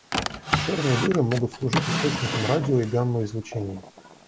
Черные дыры могут служить источником радио- и гамма-излучений.